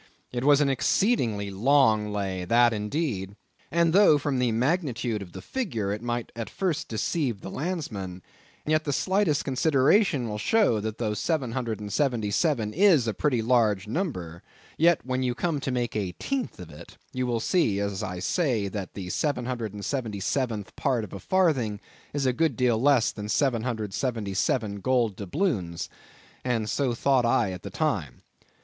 It was an exceedingly long lay that, indeed; and though from the magnitude of the figure it might at first deceive a landsman, yet the slightest consideration will show that though seven hundred and seventy seven is a pretty large number, yet, when you come to make a teenth of it, you will then see, I say, that the seven hundred and seventy seventh part of a farthing is a good deal less than seven hundred and seventy seven gold doubloons; and so I thought at the time.